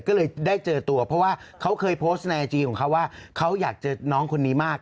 ก็เลยได้เจอตัวเพราะว่าเขาเคยโพสต์ในไอจีของเขาว่าเขาอยากเจอน้องคนนี้มาก